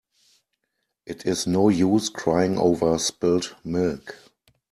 It is no use crying over spilt milk.